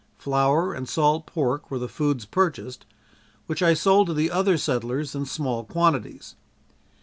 Flour and salt pork were the foods purchased, which I sold to the other settlers in small quantities.